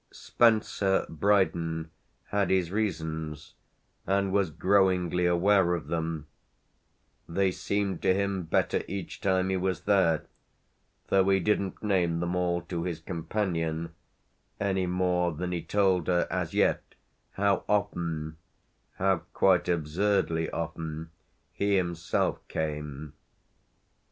Spencer Brydon had his reasons and was growingly aware of them; they seemed to him better each time he was there, though he didn't name them all to his companion, any more than he told her as yet how often, how quite absurdly often, he himself came.